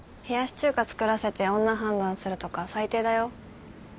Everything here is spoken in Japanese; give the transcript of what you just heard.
冷やし中華作らせて女判断するとか最低だよ。